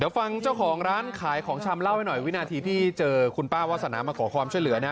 ฟังเจ้าของร้านขายของชำเล่าให้หน่อยวินาทีที่เจอคุณป้าวาสนามาขอความช่วยเหลือนะ